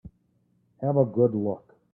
Have a good look.